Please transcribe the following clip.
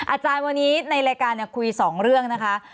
อาจารย์วันนี้ในรายการคุย๒เรื่องนะคะ